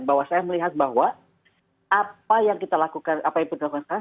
bahwa saya melihat bahwa apa yang kita lakukan apa yang kita lakukan sekarang